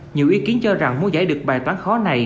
nhiều ý kiến cho rằng muốn giải được bài toán khó này